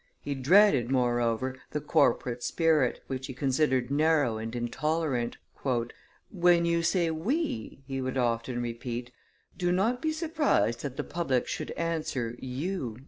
He dreaded, moreover, the corporate spirit, which he considered narrow and intolerant. "When you say, We," he would often repeat, "do not be surprised that the public should answer, You."